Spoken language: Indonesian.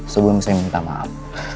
sebelum saya minta maaf